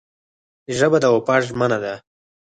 ژبه د وفا ژمنه ده